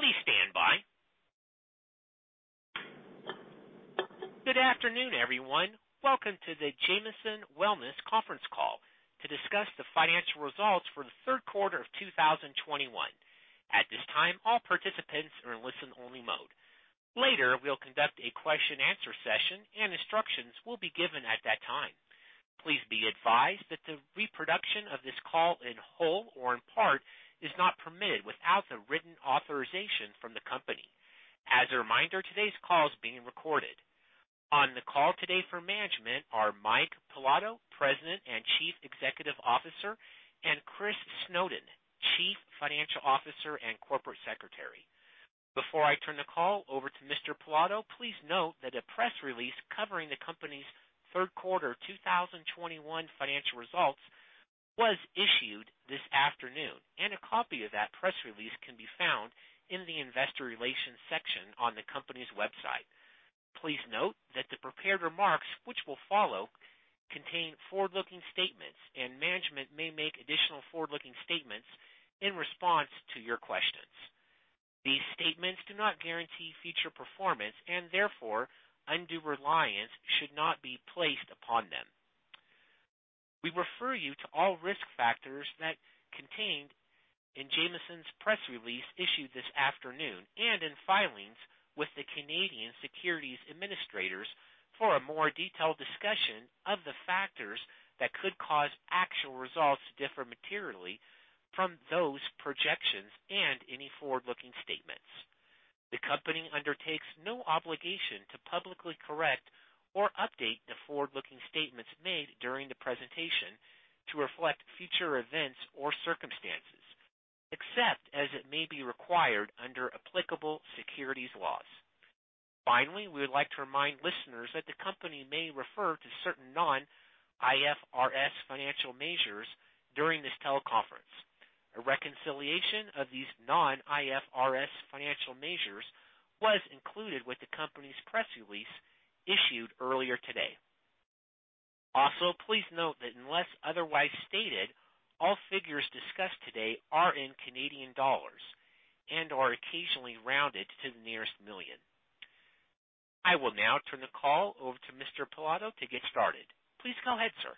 Please stand by. Good afternoon, everyone. Welcome to the Jamieson Wellness Conference Call to discuss the financial results for the Q3 of 2021. At this time, all participants are in listen only mode. Later, we'll conduct a question answer session and instructions will be given at that time. Please be advised that the reproduction of this call in whole or in part is not permitted without the written authorization from the company. As a reminder, today's call is being recorded. On the call today for management are Mike Pilato, President and Chief Executive Officer, and Chris Snowden, Chief Financial Officer and Corporate Secretary. Before I turn the call over to Mr. Pilato, please note that a press release covering the company's Q3 2021 financial results was issued this afternoon, and a copy of that press release can be found in the investor relations section on the company's website. Please note that the prepared remarks, which will follow, contain forward-looking statements, and management may make additional forward-looking statements in response to your questions. These statements do not guarantee future performance, and therefore undue reliance should not be placed upon them. We refer you to all risk factors that contained in Jamieson's press release issued this afternoon and in filings with the Canadian Securities Administrators for a more detailed discussion of the factors that could cause actual results to differ materially from those projections and any forward-looking statements. The company undertakes no obligation to publicly correct or update the forward-looking statements made during the presentation to reflect future events or circumstances, except as it may be required under applicable securities laws. Finally, we would like to remind listeners that the company may refer to certain non-IFRS financial measures during this teleconference. A reconciliation of these non-IFRS financial measures was included with the company's press release issued earlier today. Also, please note that unless otherwise stated, all figures discussed today are in Canadian dollars and are occasionally rounded to the nearest million. I will now turn the call over to Mr. Pilato to get started. Please go ahead, sir.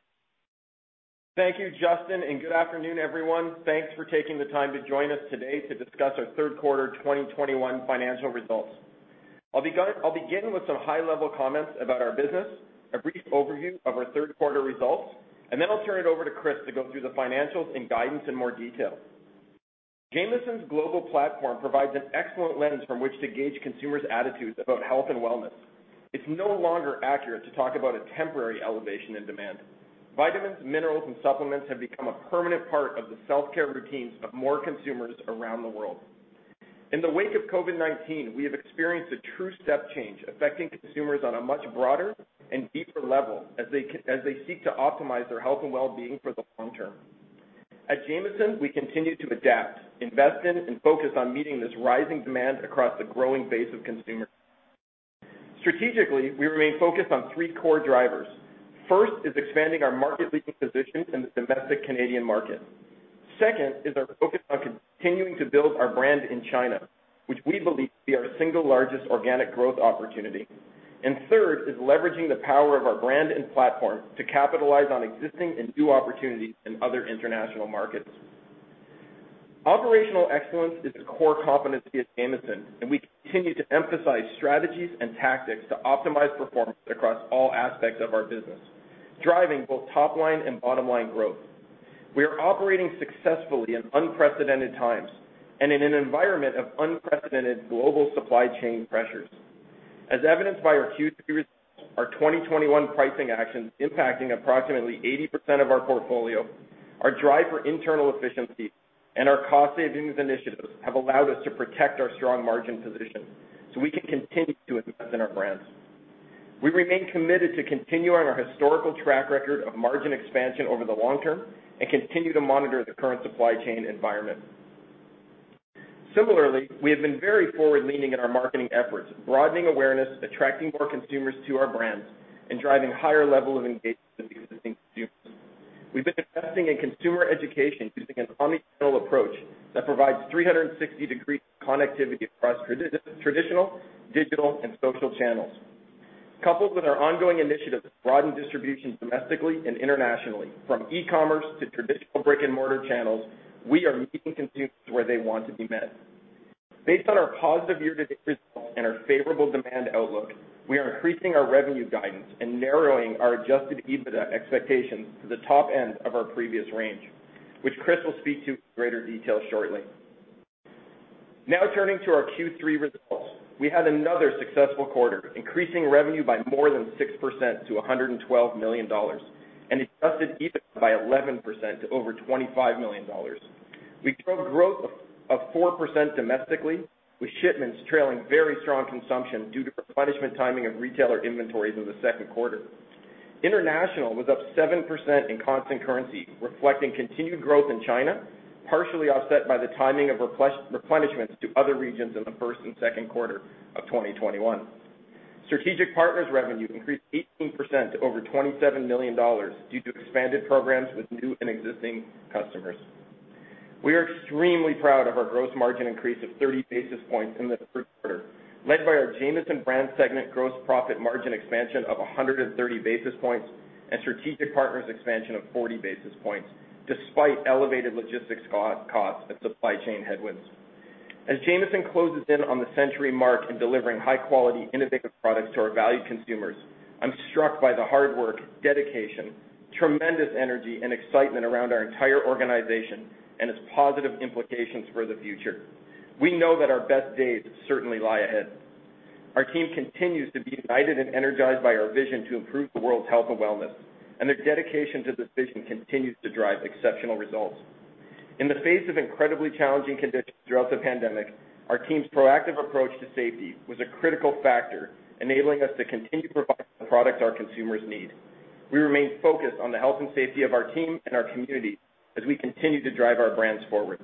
Thank you, Justin, and good afternoon, everyone. Thanks for taking the time to join us today to discuss our Q3 2021 financial results. I'll begin with some high-level comments about our business, a brief overview of our Q3 results, and then I'll turn it over to Chris to go through the financials and guidance in more detail. Jamieson's global platform provides an excellent lens from which to gauge consumers' attitudes about health and wellness. It's no longer accurate to talk about a temporary elevation in demand. Vitamins, minerals, and supplements have become a permanent part of the self-care routines of more consumers around the world. In the wake of COVID-19, we have experienced a true step change affecting consumers on a much broader and deeper level as they seek to optimize their health and well-being for the long term. At Jamieson, we continue to adapt, invest in, and focus on meeting this rising demand across the growing base of consumers. Strategically, we remain focused on three core drivers. First is expanding our market-leading position in the domestic Canadian market. Second is our focus on continuing to build our brand in China, which we believe to be our single largest organic growth opportunity. Third is leveraging the power of our brand and platform to capitalize on existing and new opportunities in other International markets. Operational excellence is a core competency at Jamieson, and we continue to emphasize strategies and tactics to optimize performance across all aspects of our business, driving both top line and bottom line growth. We are operating successfully in unprecedented times and in an environment of unprecedented global supply chain pressures. As evidenced by our Q3 results, our 2021 pricing actions impacting approximately 80% of our portfolio, our drive for internal efficiency, and our cost savings initiatives have allowed us to protect our strong margin position so we can continue to invest in our brands. We remain committed to continuing our historical track record of margin expansion over the long term and continue to monitor the current supply chain environment. Similarly, we have been very forward-leaning in our marketing efforts, broadening awareness, attracting more consumers to our brands, and driving higher level of engagement with existing consumers. We've been investing in consumer education using an omnichannel approach that provides 360-degree connectivity across traditional, digital, and social channels. Coupled with our ongoing initiatives to broaden distribution domestically and Internationally from e-commerce to traditional brick-and-mortar channels, we are meeting consumers where they want to be met. Based on our positive year-to-date results and our favorable demand outlook, we are increasing our revenue guidance and narrowing our Adjusted EBITDA expectations to the top end of our previous range, which Chris will speak to in greater detail shortly. Now turning to our Q3 results. We had another successful quarter, increasing revenue by more than 6% to 112 million dollars and Adjusted EBITDA by 11% to over 25 million dollars. We drove growth of 4% domestically, with shipments trailing very strong consumption due to replenishment timing of retailer inventories in the Q2. International was up 7% in constant currency, reflecting continued growth in China, partially offset by the timing of replenishments to other regions in the Q1 and Q2 of 2021. Strategic Partners revenue increased 18% to over 27 million dollars due to expanded programs with new and existing customers. We are extremely proud of our gross margin increase of 30 basis points in the Q3, led by our Jamieson Brands segment gross profit margin expansion of 130 basis points and Strategic Partners expansion of 40 basis points, despite elevated logistics costs and supply chain headwinds. As Jamieson closes in on the century mark in delivering high quality, innovative products to our valued consumers, I'm struck by the hard work, dedication, tremendous energy, and excitement around our entire organization and its positive implications for the future. We know that our best days certainly lie ahead. Our team continues to be united and energized by our vision to improve the world's health and wellness, and their dedication to this vision continues to drive exceptional results. In the face of incredibly challenging conditions throughout the pandemic, our team's proactive approach to safety was a critical factor, enabling us to continue providing the products our consumers need. We remain focused on the health and safety of our team and our community as we continue to drive our brands forward.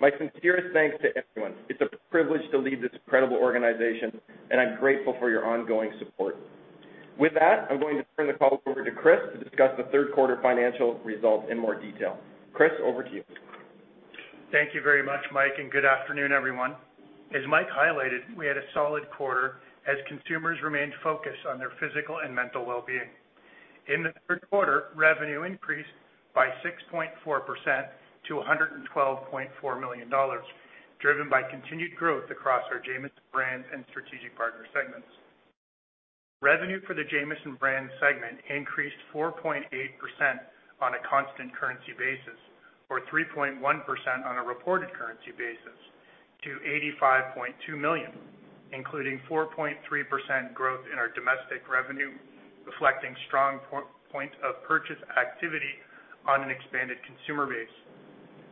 My sincerest thanks to everyone. It's a privilege to lead this incredible organization, and I'm grateful for your ongoing support. With that, I'm going to turn the call over to Chris to discuss the Q3 financial results in more detail. Chris, over to you. Thank you very much, Mike, and good afternoon, everyone. As Mike highlighted, we had a solid quarter as consumers remained focused on their physical and mental well-being. In the Q3, revenue increased by 6.4% to 112.4 million dollars, driven by continued growth across our Jamieson Brands and Strategic Partner segments. Revenue for the Jamieson Brands segment increased 4.8% on a constant currency basis or 3.1% on a reported currency basis to 85.2 million, including 4.3% growth in our domestic revenue, reflecting strong point of purchase activity on an expanded consumer base.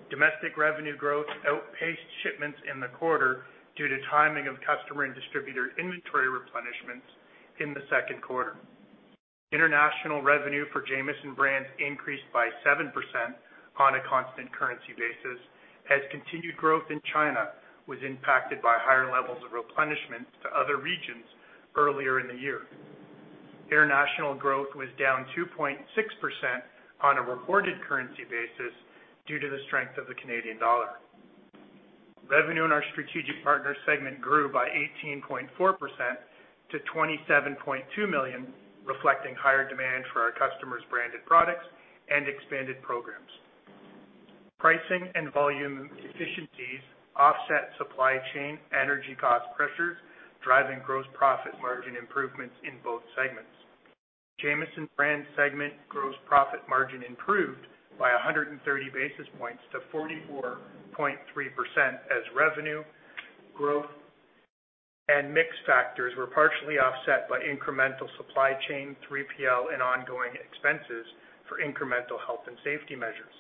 Domestic revenue growth outpaced shipments in the quarter due to timing of customer and distributor inventory replenishments in the Q2. International revenue for Jamieson Brands increased by 7% on a constant currency basis as continued growth in China was impacted by higher levels of replenishment to other regions earlier in the year. International growth was down 2.6% on a reported currency basis due to the strength of the Canadian dollar. Revenue in our Strategic Partner segment grew by 18.4% to 27.2 million, reflecting higher demand for our customers' branded products and expanded programs. Pricing and volume efficiencies offset supply chain energy cost pressures, driving gross profit margin improvements in both segments. Jamieson Brands segment gross profit margin improved by 130 basis points to 44.3% as revenue growth and mix factors were partially offset by incremental supply chain, 3PL, and ongoing expenses for incremental health and safety measures.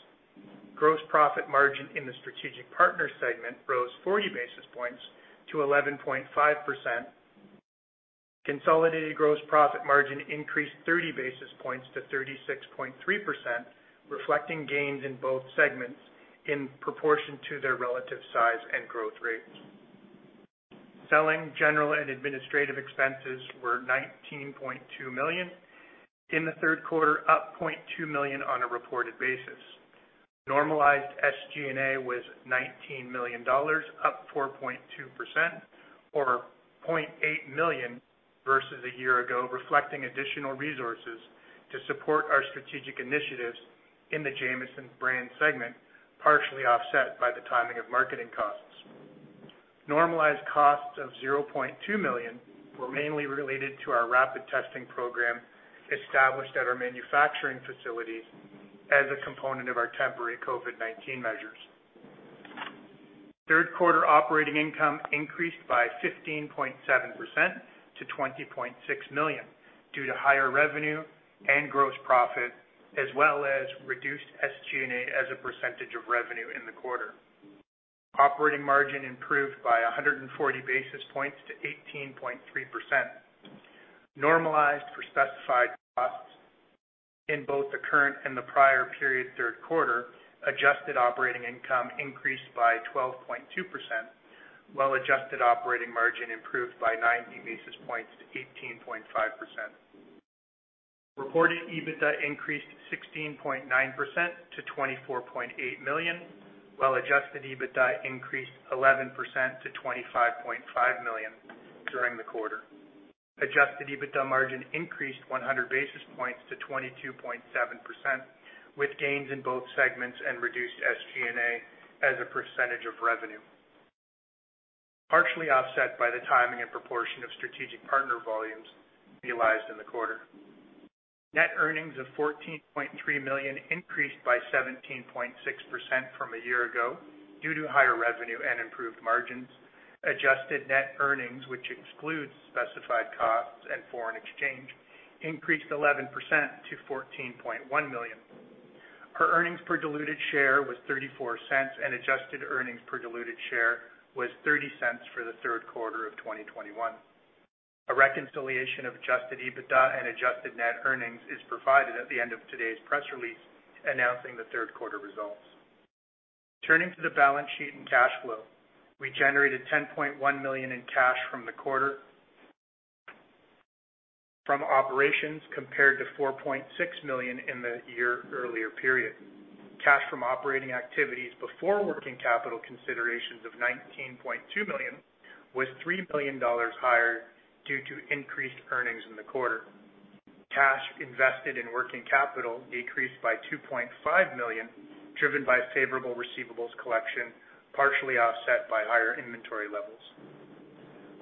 Gross profit margin in the Strategic Partner segment rose 40 basis points to 11.5%. Consolidated gross profit margin increased 30 basis points to 36.3%, reflecting gains in both segments in proportion to their relative size and growth rate. Selling, general, and administrative expenses were 19.2 million in the Q3, up 0.2 million on a reported basis. Normalized SG&A was 19 million dollars, up 4.2% or 0.8 million versus a year ago, reflecting additional resources to support our strategic initiatives in the Jamieson Brands segment, partially offset by the timing of marketing costs. Normalized costs of 0.2 million were mainly related to our rapid testing program established at our manufacturing facilities as a component of our temporary COVID-19 measures. Q3 operating income increased by 15.7% to 20.6 million due to higher revenue and gross profit, as well as reduced SG&A as a percentage of revenue in the quarter. Operating margin improved by 140 basis points to 18.3%. Normalized for specified costs in both the current and the prior period Q3, adjusted operating income increased by 12.2%, while adjusted operating margin improved by 90 basis points to 18.5%. Reported EBITDA increased 16.9% to 24.8 million, while Adjusted EBITDA increased 11% to 25.5 million during the quarter. Adjusted EBITDA margin increased 100 basis points to 22.7%, with gains in both segments and reduced SG&A as a percentage of revenue, partially offset by the timing and proportion of Strategic Partner volumes realized in the quarter. Net earnings of 14.3 million increased by 17.6% from a year ago due to higher revenue and improved margins. Adjusted net earnings, which excludes specified costs and foreign exchange, increased 11% to 14.1 million. Our earnings per diluted share was 0.34, and adjusted earnings per diluted share was 0.30 for the Q3 of 2021. A reconciliation of Adjusted EBITDA and adjusted net earnings is provided at the end of today's press release announcing the Q3 results. Turning to the balance sheet and cash flow. We generated 10.1 million in cash in the quarter from operations compared to 4.6 million in the year earlier period. Cash from operating activities before working capital considerations of 19.2 million was 3 million dollars higher due to increased earnings in the quarter. Cash invested in working capital decreased by 2.5 million, driven by favorable receivables collection, partially offset by higher inventory levels.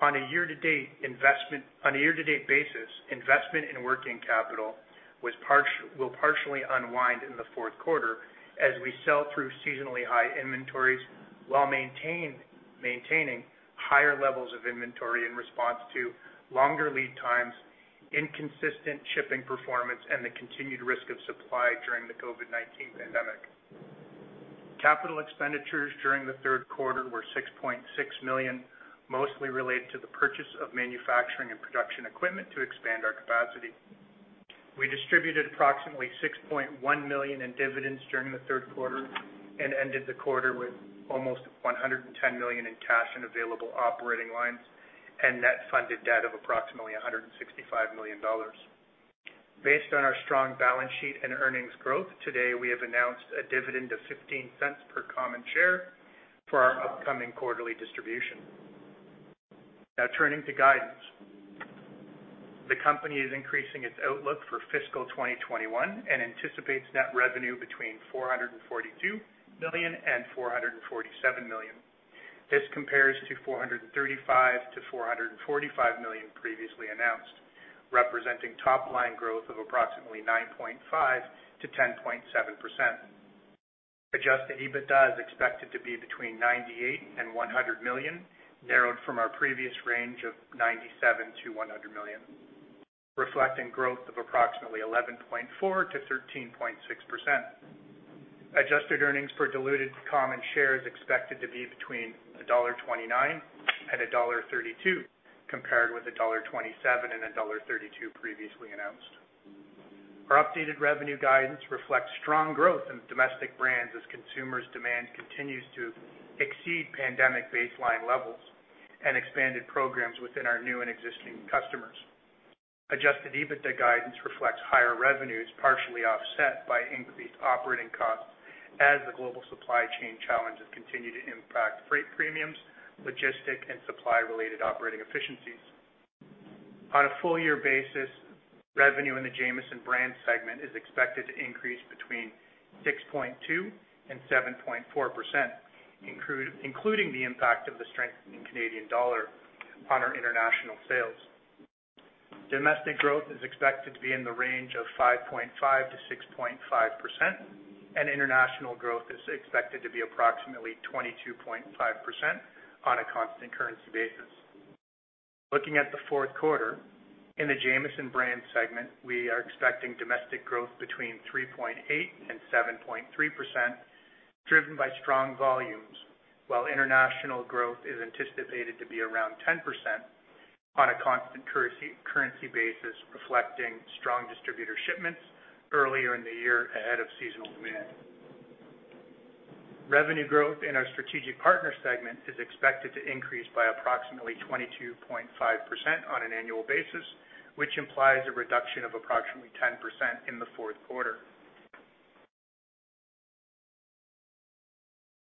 On a year-to-date basis, investment in working capital will partially unwind in the Q4 as we sell through seasonally high inventories while maintaining higher levels of inventory in response to longer lead times, inconsistent shipping performance, and the continued supply risk during the COVID-19 pandemic. Capital expenditures during the Q3 were 6.6 million, mostly related to the purchase of manufacturing and production equipment to expand our capacity. We distributed approximately 6.1 million in dividends during the Q3 and ended the quarter with almost 110 million in cash and available operating lines, and net funded debt of approximately 165 million dollars. Based on our strong balance sheet and earnings growth, today, we have announced a dividend of 0.15 per common share for our upcoming quarterly distribution. Now turning to guidance. The company is increasing its outlook for fiscal 2021 and anticipates net revenue between CAD 442 million and CAD 447 million. This compares to CAD 435 million-CAD 445 million previously announced, representing top line growth of approximately 9.5%-10.7%. Adjusted EBITDA is expected to be between 98 million and 100 million, narrowed from our previous range of 97 million-100 million, reflecting growth of approximately 11.4%-13.6%. Adjusted earnings per diluted common share is expected to be between dollar 1.29 and dollar 1.32, compared with dollar 1.27 and dollar 1.32 previously announced. Our updated revenue guidance reflects strong growth in domestic brands as consumers' demand continues to exceed pandemic baseline levels and expanded programs within our new and existing customers. Adjusted EBITDA guidance reflects higher revenues, partially offset by increased operating costs as the global supply chain challenges continue to impact freight premiums, logistics, and supply-related operating efficiencies. On a full year basis, revenue in the Jamieson Brands segment is expected to increase between 6.2% and 7.4%, including the impact of the strengthening Canadian dollar on our International sales. Domestic growth is expected to be in the range of 5.5%-6.5%, and International growth is expected to be approximately 22.5% on a constant currency basis. Looking at the Q4, in the Jamieson Brands segment, we are expecting domestic growth between 3.8% and 7.3%, driven by strong volumes, while International growth is anticipated to be around 10% on a constant currency basis, reflecting strong distributor shipments earlier in the year ahead of seasonal demand. Revenue growth in our Strategic Partner segment is expected to increase by approximately 22.5% on an annual basis, which implies a reduction of approximately 10% in the Q4.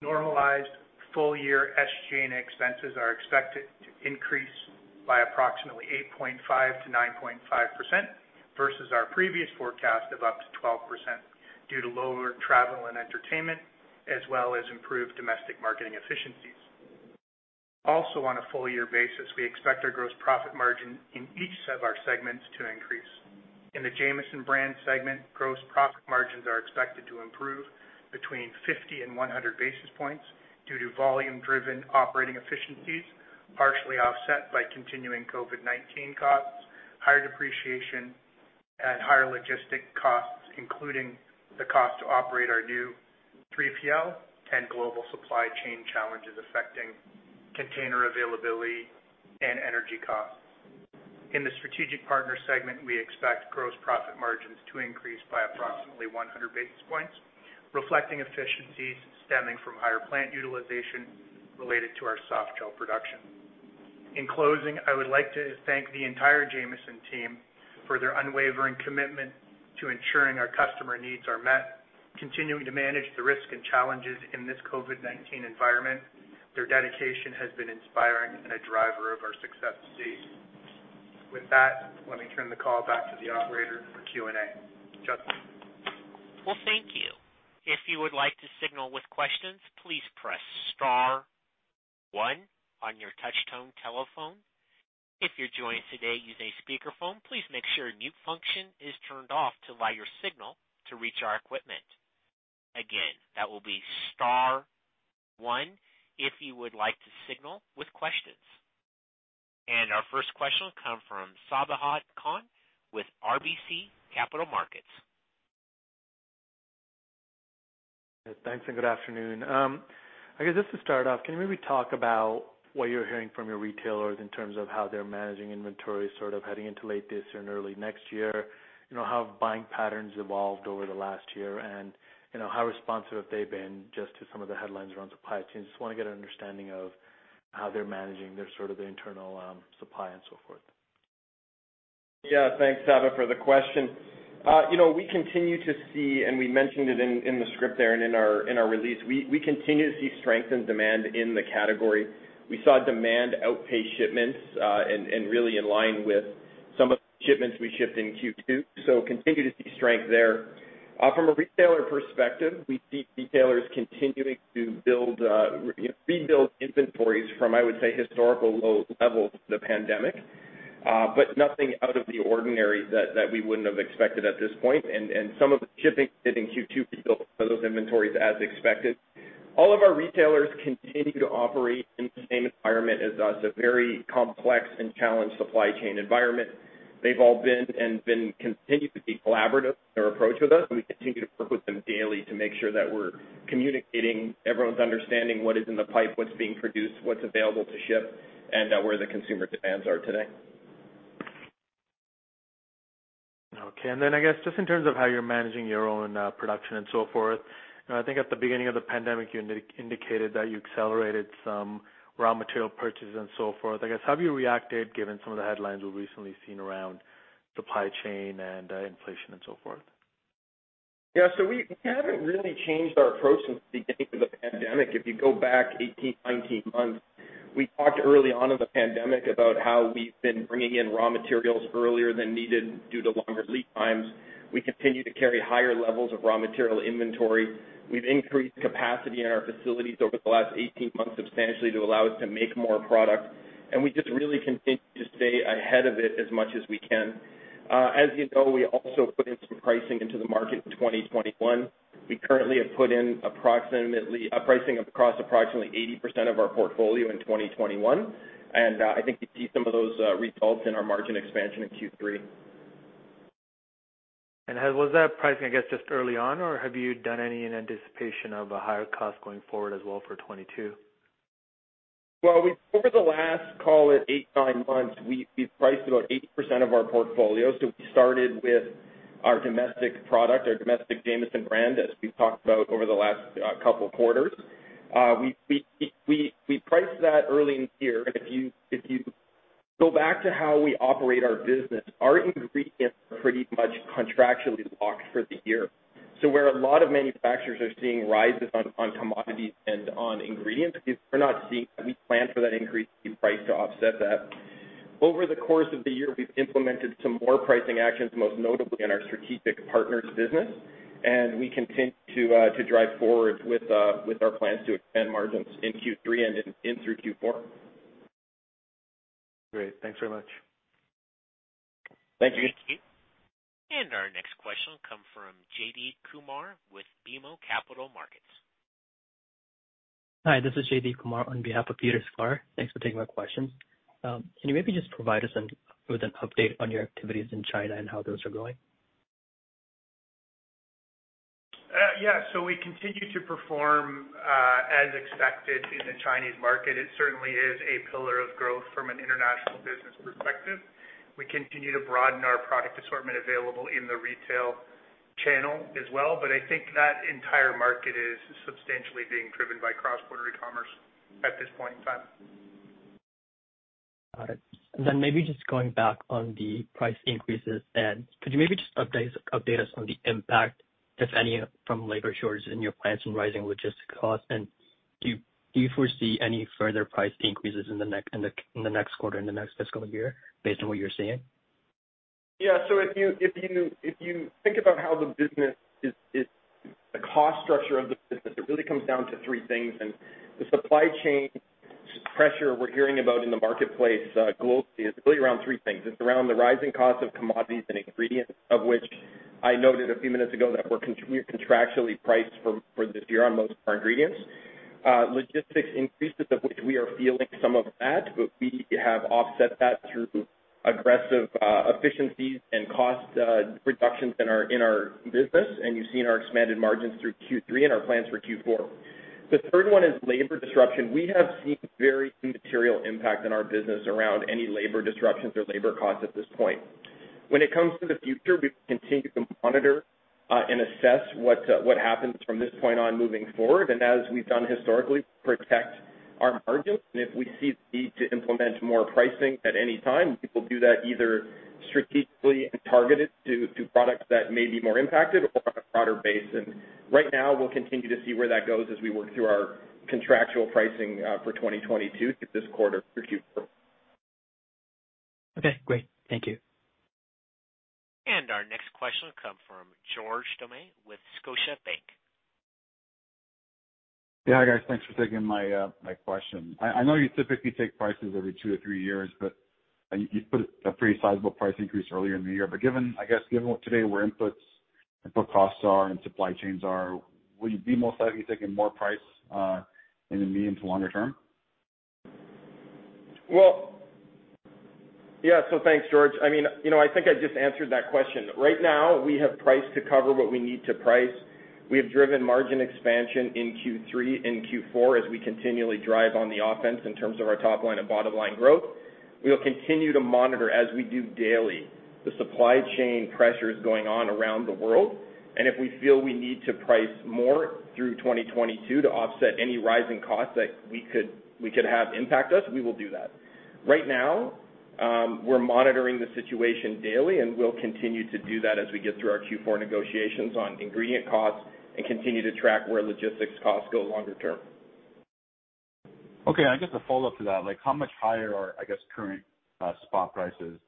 Normalized full-year SG&A expenses are expected to increase by approximately 8.5%-9.5% versus our previous forecast of up to 12% due to lower travel and entertainment, as well as improved domestic marketing efficiencies. Also, on a full year basis, we expect our gross profit margin in each of our segments to increase. In the Jamieson Brands segment, gross profit margins are expected to improve between 50 basis points and 100 basis points due to volume-driven operating efficiencies, partially offset by continuing COVID-19 costs, higher depreciation and higher logistic costs, including the cost to operate our new 3PL and global supply chain challenges affecting container availability and energy costs. In the Strategic Partner segment, we expect gross profit margins to increase by approximately 100 basis points, reflecting efficiencies stemming from higher plant utilization related to our softgel production. In closing, I would like to thank the entire Jamieson team for their unwavering commitment to ensuring our customer needs are met, continuing to manage the risk and challenges in this COVID-19 environment. Their dedication has been inspiring and a driver of our success to date. With that, let me turn the call back to the operator for Q&A. Justin? Well, thank you. If you would like to signal with questions, please press star one on your touch-tone telephone. If you're joining today using a speakerphone, please make sure mute function is turned off to allow your signal to reach our equipment. Again, that will be star one if you would like to signal with questions. Our first question will come from Sabahat Khan with RBC Capital Markets. Thanks, and good afternoon. I guess just to start off, can you maybe talk about what you're hearing from your retailers in terms of how they're managing inventory, sort of heading into late this or early next year? You know, how have buying patterns evolved over the last year? You know, how responsive have they been just to some of the headlines around supply chains? Just wanna get an understanding of how they're managing their sort of internal supply and so forth. Yeah. Thanks, Sabahat, for the question. You know, we continue to see, and we mentioned it in the script there and in our release. We continue to see strength and demand in the category. We saw demand outpace shipments and really in line with some of the shipments we shipped in Q2. Continue to see strength there. From a retailer perspective, we see retailers continuing to rebuild inventories from, I would say, historical low levels of the pandemic. But nothing out of the ordinary that we wouldn't have expected at this point, and some of the shipments we did in Q2 rebuilt those inventories as expected. All of our retailers continue to operate in the same environment as us, a very complex and challenged supply chain environment. They've all been and continue to be collaborative in their approach with us, and we continue to work with them daily to make sure that we're communicating, everyone's understanding what is in the pipe, what's being produced, what's available to ship, and where the consumer demands are today. Okay. I guess just in terms of how you're managing your own production and so forth. You know, I think at the beginning of the pandemic, you indicated that you accelerated some raw material purchases and so forth. I guess, how have you reacted given some of the headlines we've recently seen around supply chain and inflation and so forth? Yeah. We haven't really changed our approach since the beginning of the pandemic. If you go back 18, 19 months, we talked early on in the pandemic about how we've been bringing in raw materials earlier than needed due to longer lead times. We continue to carry higher levels of raw material inventory. We've increased capacity in our facilities over the last 18 months substantially to allow us to make more product. We just really continue to stay ahead of it as much as we can. As you know, we also put in some pricing into the market in 2021. We currently have put in approximately a pricing across approximately 80% of our portfolio in 2021, and I think you see some of those results in our margin expansion in Q3. Was that pricing, I guess, just early on or have you done any in anticipation of a higher cost going forward as well for 2022? Well, over the last, call it eight to nine months, we've priced about 80% of our portfolio. We started with our domestic product, our domestic Jamieson brand, as we've talked about over the last couple quarters. We priced that early in the year. If you go back to how we operate our business, our ingredients are pretty much contractually locked for the year. Where a lot of manufacturers are seeing rises on commodities and on ingredients, we're not seeing that. We plan for that increase in price to offset that. Over the course of the year, we've implemented some more pricing actions, most notably in our Strategic Partners business, and we continue to drive forward with our plans to expand margins in Q3 and through Q4. Great. Thanks very much. Thank you. Our next question will come from Fadi Chamoun with BMO Capital Markets. Hi, this is Fadi Chamoun on behalf of Peter Sklar. Thanks for taking my questions. Can you maybe just provide us with an update on your activities in China and how those are going? We continue to perform as expected in the Chinese market. It certainly is a pillar of growth from an International business perspective. We continue to broaden our product assortment available in the retail channel as well, but I think that entire market is substantially being driven by cross-border e-commerce at this point in time. Got it. Maybe just going back on the price increases then, could you update us on the impact, if any, from labor shortages in your plants and rising logistics costs? Do you foresee any further price increases in the next quarter, in the next fiscal year based on what you're seeing? If you think about how the business is the cost structure of the business, it really comes down to three things. The supply chain pressure we're hearing about in the marketplace globally is really around three things. It's around the rising cost of commodities and ingredients, of which I noted a few minutes ago that we're contractually priced for this year on most of our ingredients. Logistics increases, of which we are feeling some of that, but we have offset that through aggressive efficiencies and cost reductions in our business, and you've seen our expanded margins through Q3 and our plans for Q4. The third one is labor disruption. We have seen very immaterial impact in our business around any labor disruptions or labor costs at this point. When it comes to the future, we continue to monitor and assess what happens from this point on moving forward. As we've done historically, we protect our margins. If we see the need to implement more pricing at any time, we will do that either strategically and targeted to products that may be more impacted or on a broader base. Right now we'll continue to see where that goes as we work through our contractual pricing for 2022 through this quarter through Q4. Okay, great. Thank you. Our next question will come from George Doumet with Scotiabank. Yeah, guys, thanks for taking my question. I know you typically take pricing every two to three years, but you put a pretty sizable price increase earlier in the year. Given, I guess, where today's input costs are and supply chains are, will you be most likely taking more pricing in the medium to longer term? Well, yeah. Thanks, George. I mean, you know, I think I just answered that question. Right now, we have priced to cover what we need to price. We have driven margin expansion in Q3 and Q4 as we continually drive on the offense in terms of our top line and bottom line growth. We will continue to monitor as we do daily, the supply chain pressures going on around the world. If we feel we need to price more through 2022 to offset any rising costs that could impact us, we will do that. Right now, we're monitoring the situation daily, and we'll continue to do that as we get through our Q4 negotiations on ingredient costs and continue to track where logistics costs go longer term. Okay. I guess a follow-up to that, like how much higher are, I guess, current spot prices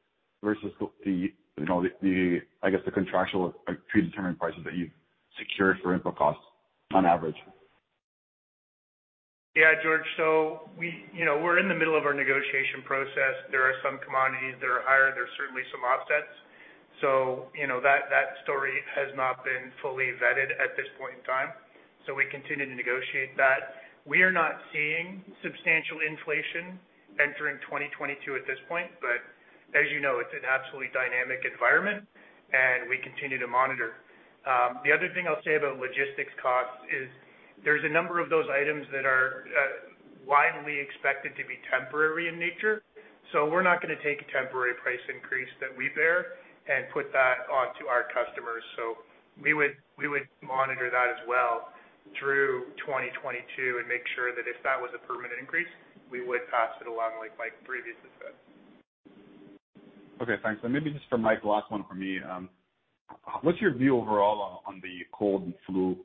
versus the, you know, the, I guess, the contractual or predetermined prices that you've secured for input costs on average? Yeah, George. We, you know, we're in the middle of our negotiation process. There are some commodities that are higher. There are certainly some offsets. You know, that story has not been fully vetted at this point in time, so we continue to negotiate that. We are not seeing substantial inflation entering 2022 at this point. As you know, it's an absolutely dynamic environment, and we continue to monitor. The other thing I'll say about logistics costs is there's a number of those items that are widely expected to be temporary in nature, so we're not gonna take a temporary price increase that we bear and put that onto our customers. We would monitor that as well through 2022 and make sure that if that was a permanent increase, we would pass it along like Mike previously said. Okay, thanks. Maybe just for Mike, last one for me. What's your view overall on the cold and flu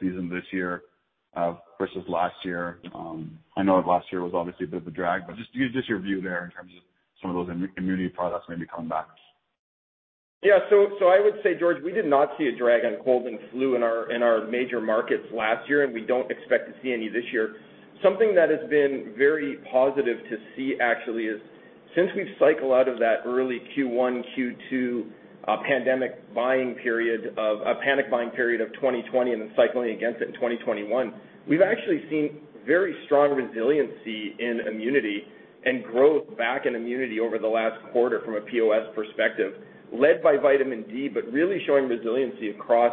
season this year versus last year? I know last year was obviously a bit of a drag, but just your view there in terms of some of those immunity products maybe coming back. I would say, George, we did not see a drag on cold and flu in our major markets last year, and we don't expect to see any this year. Something that has been very positive to see actually is since we've cycled out of that early Q1, Q2, pandemic buying period, a panic buying period of 2020 and then cycling against it in 2021, we've actually seen very strong resiliency in immunity and growth back in immunity over the last quarter from a POS perspective, led by vitamin D, but really showing resiliency across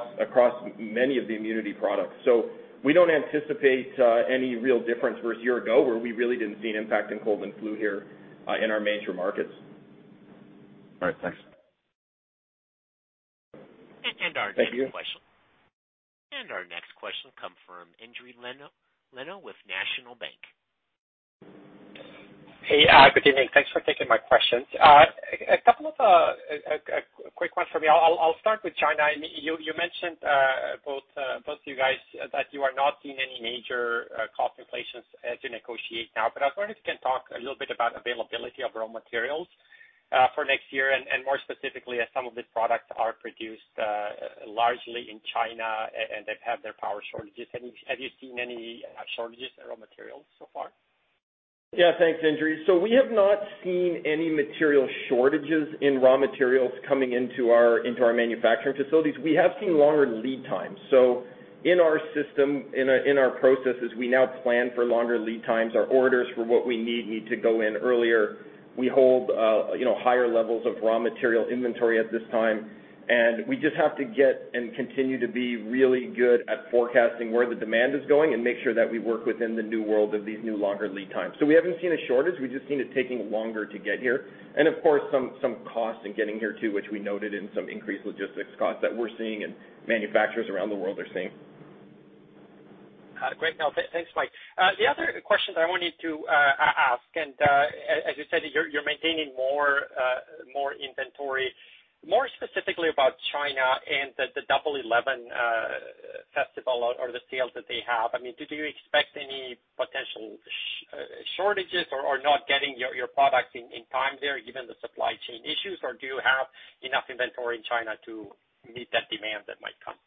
many of the immunity products. We don't anticipate any real difference versus a year ago where we really didn't see an impact in cold and flu here in our major markets. All right. Thanks. Our next question. Thank you. Our next question comes from Endri Leno with National Bank. Hey, good evening. Thanks for taking my questions. A couple of quick ones for me. I'll start with China. You mentioned both you guys that you are not seeing any major cost inflations as you negotiate now. I was wondering if you can talk a little bit about availability of raw materials for next year, and more specifically, as some of these products are produced largely in China and they've had their power shortages. Have you seen any shortages in raw materials so far? Yeah. Thanks, Endri. We have not seen any material shortages in raw materials coming into our manufacturing facilities. We have seen longer lead times. In our system, in our processes, we now plan for longer lead times. Our orders for what we need to go in earlier. We hold, you know, higher levels of raw material inventory at this time, and we just have to get and continue to be really good at forecasting where the demand is going and make sure that we work within the new world of these new longer lead times. We haven't seen a shortage. We've just seen it taking longer to get here and, of course, some cost in getting here, too, which we noted in some increased logistics costs that we're seeing and manufacturers around the world are seeing. Great. No, thanks, Mike. The other questions I wanted to ask. As you said, you're maintaining more inventory. More specifically about China and the 11/11 festival or the sales that they have. I mean, did you expect any potential shortages or not getting your products in time there, given the supply chain issues? Or do you have enough inventory in China to meet that demand that might come?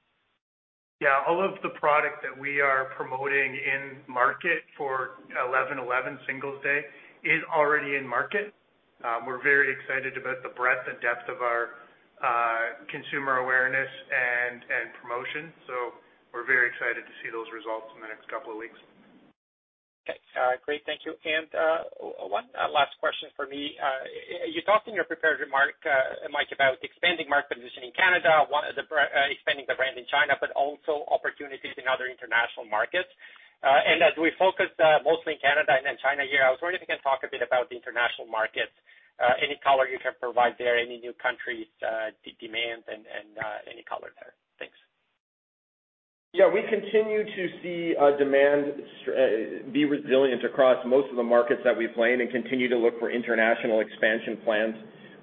Yeah. All of the product that we are promoting in market for 11/11 Singles' Day is already in market. We're very excited about the breadth and depth of our consumer awareness and promotion. We're very excited to see those results in the next couple of weeks. Okay. Great. Thank you. One last question for me. You talked in your prepared remarks, Mike, about expanding market position in Canada, expanding the brand in China, but also opportunities in other International markets. As we focus mostly in Canada and then China here, I was wondering if you can talk a bit about the International markets. Any color you can provide there, any new countries, demands and any color there. Thanks. Yeah. We continue to see demand be resilient across most of the markets that we play in and continue to look for International expansion plans.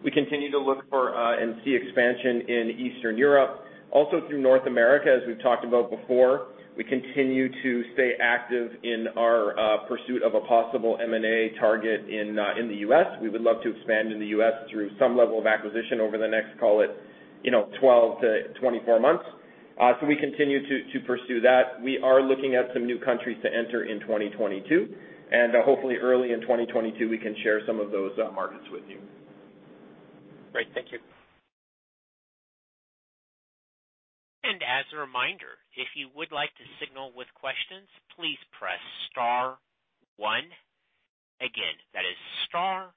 We continue to look for and see expansion in Eastern Europe, also through North America, as we've talked about before. We continue to stay active in our pursuit of a possible M&A target in the U.S. We would love to expand in the U.S. through some level of acquisition over the next, call it, you know, 12-24 months. We continue to pursue that. We are looking at some new countries to enter in 2022, and hopefully early in 2022, we can share some of those markets with you. Great. Thank you. As a reminder, if you would like to signal with questions, please press star one. Again, that is star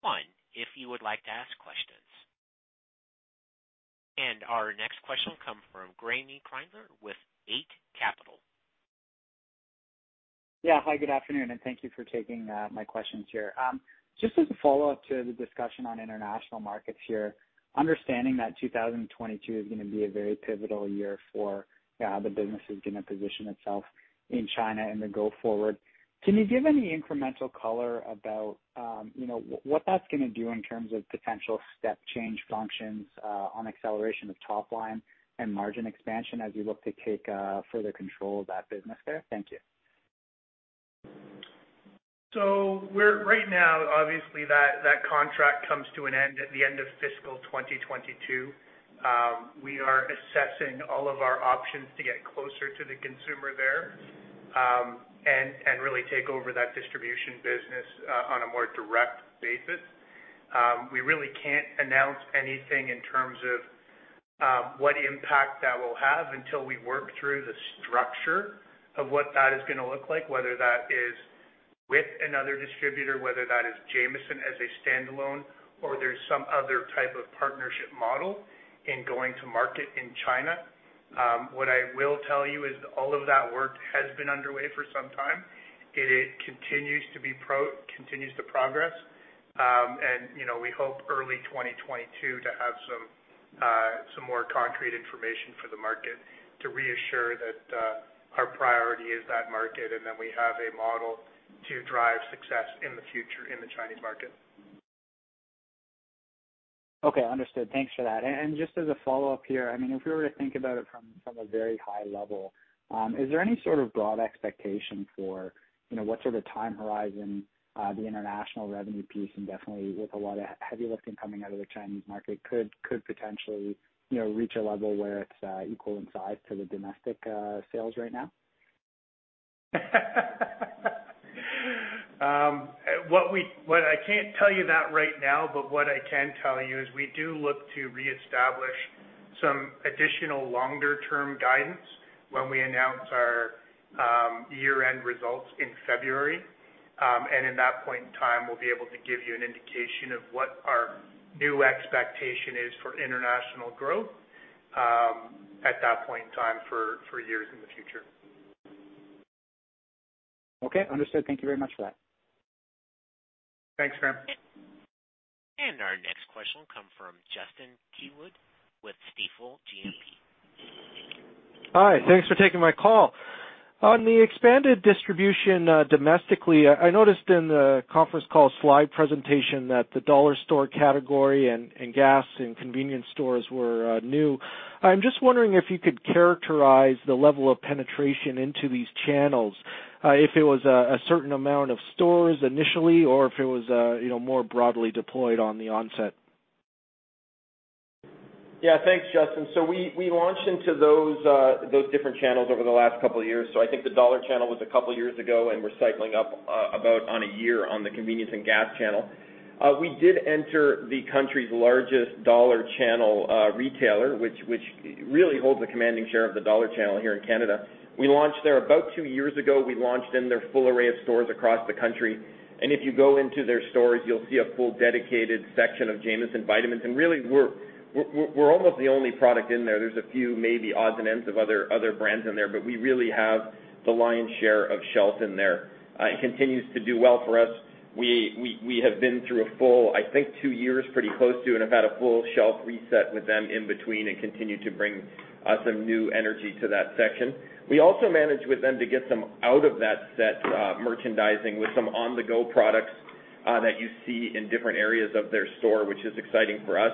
one if you would like to ask questions. Our next question will come from Graeme Kreindler with Eight Capital. Yeah. Hi, good afternoon, and thank you for taking my questions here. Just as a follow-up to the discussion on International markets here, understanding that 2022 is gonna be a very pivotal year for how the business is gonna position itself in China going forward, can you give any incremental color about, you know, what that's gonna do in terms of potential step change functions on acceleration of top line and margin expansion as you look to take further control of that business there? Thank you. We're right now, obviously, that contract comes to an end at the end of fiscal 2022. We are assessing all of our options to get closer to the consumer there, and really take over that distribution business on a more direct basis. We really can't announce anything in terms of what impact that will have until we work through the structure of what that is gonna look like, whether that is with another distributor, whether that is Jamieson as a standalone or there's some other type of partnership model in going to market in China. What I will tell you is all of that work has been underway for some time. It continues to progress. You know, we hope early 2022 to have some more concrete information for the market to reassure that our priority is that market, and that we have a model to drive success in the future in the Chinese market. Okay. Understood. Thanks for that. Just as a follow-up here, I mean, if we were to think about it from a very high level, is there any sort of broad expectation for, you know, what sort of time horizon the International revenue piece, and definitely with a lot of heavy lifting coming out of the Chinese market could potentially, you know, reach a level where it's equal in size to the domestic sales right now? What I can't tell you that right now, but what I can tell you is we do look to reestablish some additional longer term guidance when we announce our year-end results in February. In that point in time, we'll be able to give you an indication of what our new expectation is for International growth at that point in time for years in the future. Okay. Understood. Thank you very much for that. Thanks, Graeme. Our next question will come from Justin Keywood with Stifel GMP. Hi. Thanks for taking my call. On the expanded distribution, domestically, I noticed in the conference call slide presentation that the dollar store category and gas and convenience stores were new. I'm just wondering if you could characterize the level of penetration into these channels, if it was a certain amount of stores initially, or if it was, you know, more broadly deployed on the onset. Yeah. Thanks, Justin. We launched into those different channels over the last couple of years. I think the dollar channel was a couple years ago, and we're cycling up about a year on the convenience and gas channel. We did enter the country's largest dollar channel retailer, which really holds a commanding share of the dollar channel here in Canada. We launched there about two years ago. We launched in their full array of stores across the country. If you go into their stores, you'll see a full dedicated section of Jamieson vitamins. Really, we're almost the only product in there. There's a few maybe odds and ends of other brands in there, but we really have the lion's share of shelf in there. It continues to do well for us. We have been through a full two years, I think, pretty close to, and have had a full shelf reset with them in between and continue to bring some new energy to that section. We also managed with them to get some out-of-set merchandising with some on-the-go products that you see in different areas of their store, which is exciting for us.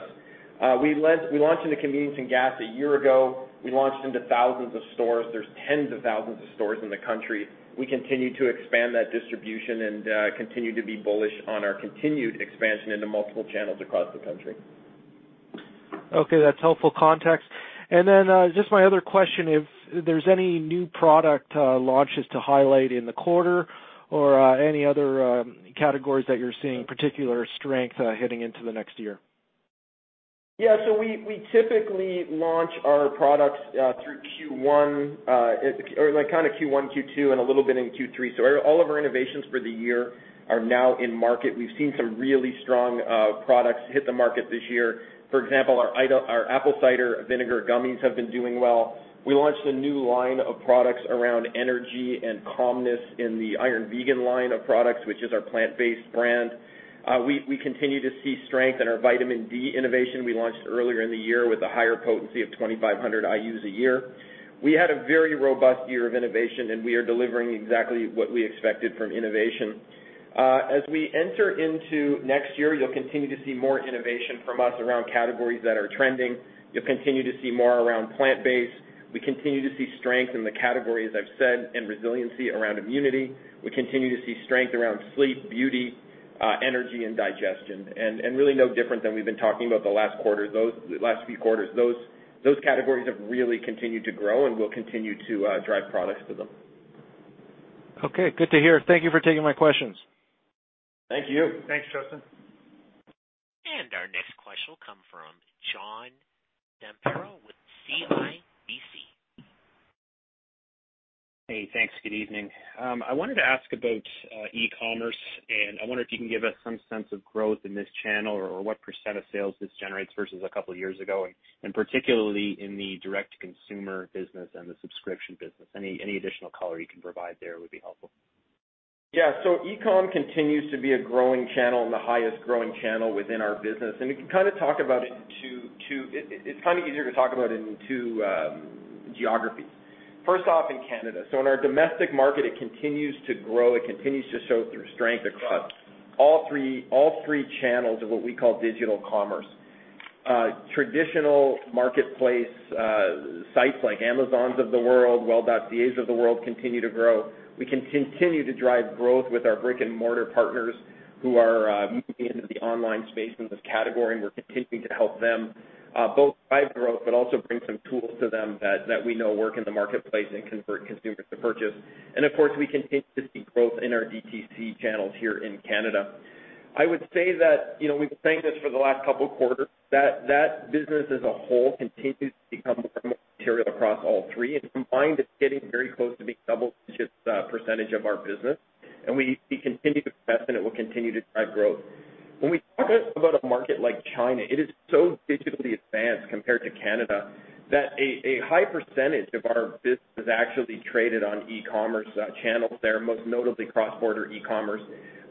We launched into convenience and gas a year ago. We launched into thousands of stores. There's tens of thousands of stores in the country. We continue to expand that distribution and continue to be bullish on our continued expansion into multiple channels across the country. Okay. That's helpful context. Just my other question, if there's any new product launches to highlight in the quarter or any other categories that you're seeing particular strength heading into the next year? We typically launch our products through Q1, Q2, and a little bit in Q3. All of our innovations for the year are now in market. We've seen some really strong products hit the market this year. For example, our apple cider vinegar gummies have been doing well. We launched a new line of products around energy and calmness in the Iron Vegan line of products, which is our plant-based brand. We continue to see strength in our vitamin D innovation we launched earlier in the year with a higher potency of 2,500 IUs a year. We had a very robust year of innovation, and we are delivering exactly what we expected from innovation. As we enter into next year, you'll continue to see more innovation from us around categories that are trending. You'll continue to see more around plant-based. We continue to see strength in the category, as I've said, and resiliency around immunity. We continue to see strength around sleep, beauty, energy, and digestion. Really no different than we've been talking about the last few quarters. Those categories have really continued to grow and will continue to drive products to them. Okay. Good to hear. Thank you for taking my questions. Thank you. Thanks, Justin. Next question will come from John Zamparo with CIBC. Hey, thanks. Good evening. I wanted to ask about e-commerce, and I wonder if you can give us some sense of growth in this channel or what percent of sales this generates versus a couple years ago, and particularly in the direct-to-consumer business and the subscription business. Any additional color you can provide there would be helpful. Yeah. E-com continues to be a growing channel and the highest growing channel within our business. We can kind of talk about it in two geographies. First off, in Canada. In our domestic market, it continues to grow. It continues to show through strength across all three channels of what we call digital commerce. Traditional marketplace sites like Amazon's of the world, Well.ca's of the world continue to grow. We continue to drive growth with our brick-and-mortar partners who are moving into the online space in this category, and we're continuing to help them both drive growth, but also bring some tools to them that we know work in the marketplace and convert consumers to purchase. Of course, we continue to see growth in our DTC channels here in Canada. I would say that, you know, we've been saying this for the last couple of quarters, that business as a whole continues to become more material across all three. Combined, it's getting very close to being double digits percentage of our business. We see continued success, and it will continue to drive growth. When we talk about a market like China, it is so digitally advanced compared to Canada that a high percentage of our business is actually traded on e-commerce channels there, most notably cross-border e-commerce.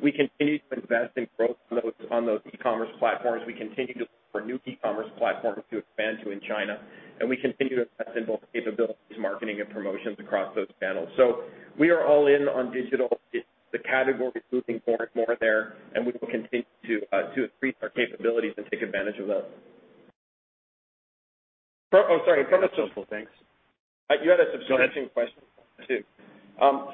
We continue to invest in growth on those e-commerce platforms. We continue to look for new e-commerce platforms to expand to in China, and we continue to invest in both capabilities, marketing and promotions across those channels. We are all in on digital. It's the category that's moving more and more there, and we will continue to increase our capabilities and take advantage of those. That's helpful. Thanks. You had a subscription question too.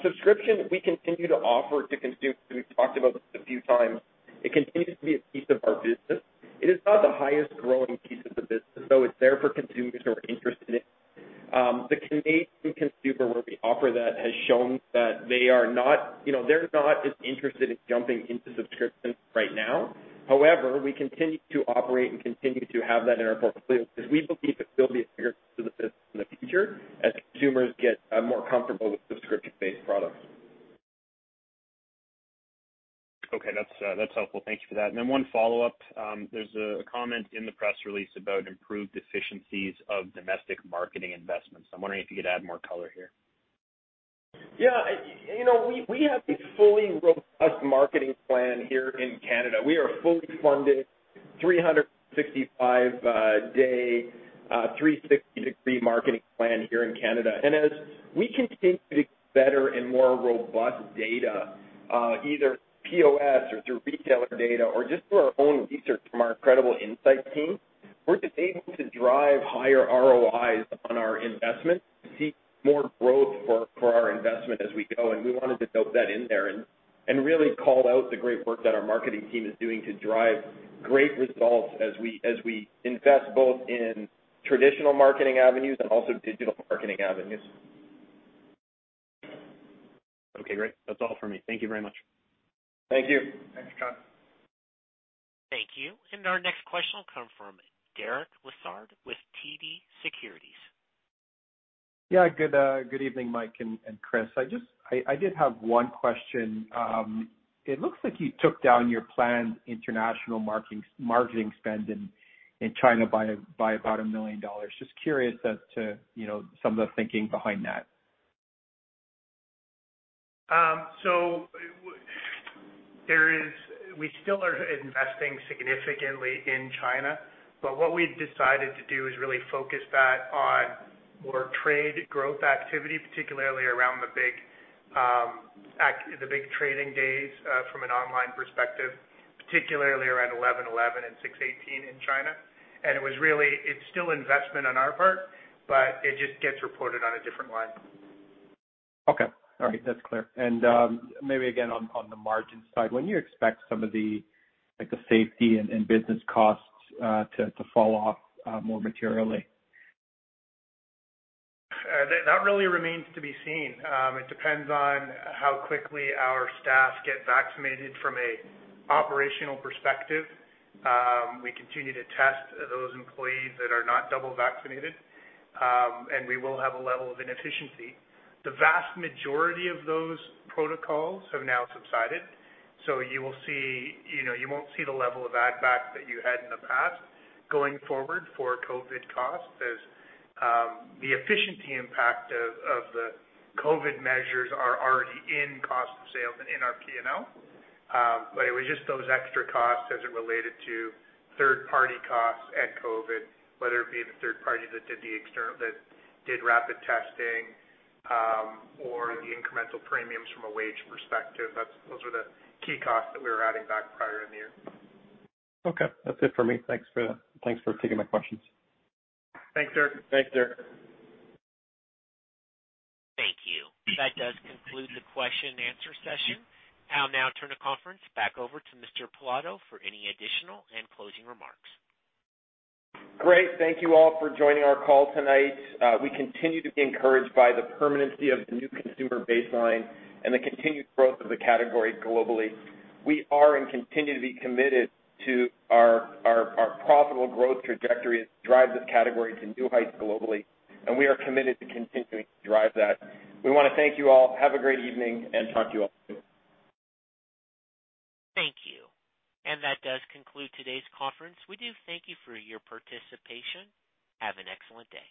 Subscription, we continue to offer to consumers. We've talked about this a few times. It continues to be a piece of our business. It is not the highest growing piece of the business, so it's there for consumers who are interested in it. The Canadian consumer, where we offer that, has shown that they are not, you know, as interested in jumping into subscriptions right now. However, we continue to operate and continue to have that in our portfolio because we believe it will be a bigger piece of the business in the future as consumers get more comfortable with subscription-based products. Okay. That's helpful. Thank you for that. One follow-up. There's a comment in the press release about improved efficiencies of domestic marketing investments. I'm wondering if you could add more color here. Yeah. You know, we have a fully robust marketing plan here in Canada. We are a fully funded 365-day, 360-degree marketing plan here in Canada. As we continue to get better and more robust data, either POS or through retailer data or just through our own research from our incredible insight team, we're just able to drive higher ROIs on our investments to seek more growth for our investment as we go. We wanted to note that in there and really call out the great work that our marketing team is doing to drive great results as we invest both in traditional marketing avenues and also digital marketing avenues. Okay, great. That's all for me. Thank you very much. Thank you. Thanks, John. Thank you. Our next question will come from Derek Lessard with TD Securities. Good evening, Mike and Chris. I did have one question. It looks like you took down your planned International marketing spend in China by about 1 million dollars. Just curious as to, you know, some of the thinking behind that. We still are investing significantly in China, but what we've decided to do is really focus that on more trade growth activity, particularly around the big trading days from an online perspective, particularly around 11/11 and 6/18 in China. It's still investment on our part, but it just gets reported on a different line. Okay. All right. That's clear. Maybe again on the margin side, when you expect some of the, like, the safety and business costs to fall off more materially? That really remains to be seen. It depends on how quickly our staff get vaccinated from an operational perspective. We continue to test those employees that are not double vaccinated, and we will have a level of inefficiency. The vast majority of those protocols have now subsided, so you will see. You know, you won't see the level of add back that you had in the past going forward for COVID costs, as the efficiency impact of the COVID measures are already in cost of sales and in our P&L. But it was just those extra costs as it related to third-party costs and COVID, whether it be the third party that did rapid testing, or the incremental premiums from a wage perspective. Those are the key costs that we were adding back prior in the year. Okay. That's it for me. Thanks for taking my questions. Thanks, Derek. Thanks, Derek. Thank you. That does conclude the question and answer session. I'll now turn the conference back over to Mr. Pilato for any additional and closing remarks. Great. Thank you all for joining our call tonight. We continue to be encouraged by the permanency of the new consumer baseline and the continued growth of the category globally. We are and continue to be committed to our profitable growth trajectory as we drive this category to new heights globally, and we are committed to continuing to drive that. We wanna thank you all. Have a great evening and talk to you all soon. Thank you. That does conclude today's conference. We do thank you for your participation. Have an excellent day.